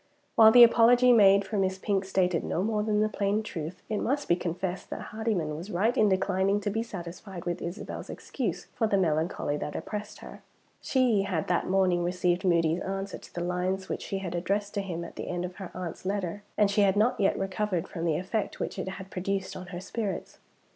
While the apology made for Miss Pink stated no more than the plain truth, it must be confessed that Hardyman was right in declining to be satisfied with Isabel's excuse for the melancholy that oppressed her. She had that morning received Moody's answer to the lines which she had addressed to him at the end of her aunt's letter; and she had not yet recovered from the effect which it had produced on her spirits.